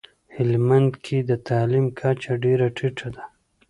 هلمندکي دتعلیم کچه ډیره ټیټه ده